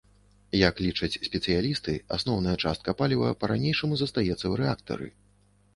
Як лічаць спецыялісты, асноўная частка паліва па-ранейшаму застаецца ў рэактары.